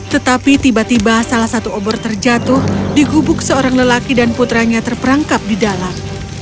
tetapi tiba tiba salah satu obor terjatuh di gubuk seorang lelaki dan putranya terperangkap di dalam